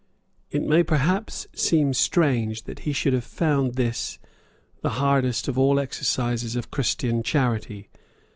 It may perhaps seem strange that he should have found this the hardest of all exercises of Christian charity.